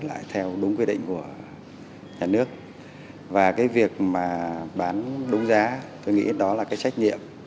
tôi nghĩ là theo đúng quy định của nhà nước và cái việc mà bán đúng giá tôi nghĩ đó là cái trách nhiệm